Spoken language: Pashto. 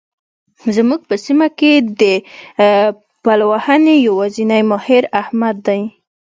زموږ په سیمه کې د پلوهنې يوازنی ماهر؛ احمد دی.